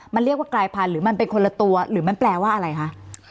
มันเรียกว่ากลายพันธุ์หรือมันเป็นคนละตัวหรือมันแปลว่าอะไรคะ